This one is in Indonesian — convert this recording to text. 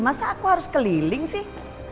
masa aku harus keliling sih